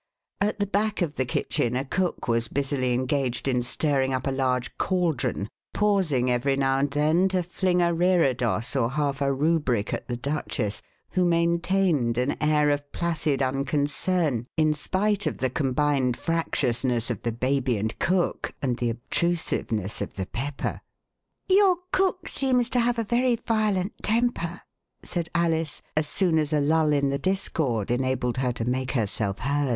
At the back of the kitchen a cook was busily engaged in stirring up a large cauldron, pausing every now and then to fling a reredos or half a rubric at the Duchess, who maintained an air of placid unconcern in spite of the combined fractiousness of the baby and cook and the obtrusiveness of the pepper. 17 c The Westminster Alice " Your cook seems to have a very violent temper," said Alice, as soon as a lull in the discord enabled her to make herself heard.